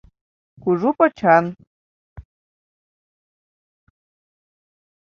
Кужу почан.